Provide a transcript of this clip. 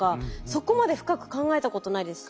そこまで深く考えたことないです。